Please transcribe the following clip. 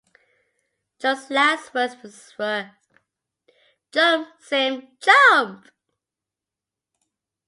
Jones's last words were Jump, Sim, jump!